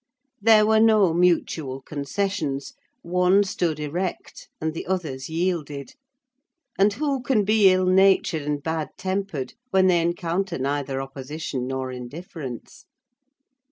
There were no mutual concessions: one stood erect, and the others yielded: and who can be ill natured and bad tempered when they encounter neither opposition nor indifference?